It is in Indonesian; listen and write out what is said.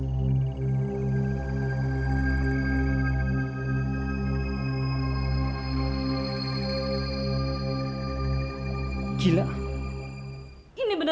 tidak ada yang bisa dikira